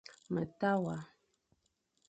Me ta wa ;